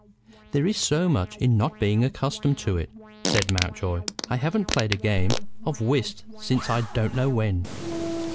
"There is so much in not being accustomed to it," said Mountjoy. "I haven't played a game of whist since I don't knew when."